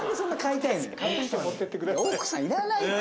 奥さんいらないって。